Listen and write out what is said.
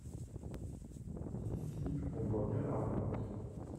D’ici on voit bien la route.